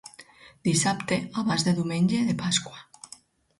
Dissabte abans de Diumenge de Pasqua.